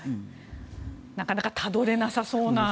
なかなかたどれなさそうな。